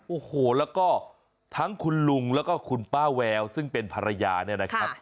โอ้โหแล้วก็ทั้งคุณลุงแล้วก็คุณป้าแววซึ่งเป็นภรรยาเนี่ยนะครับ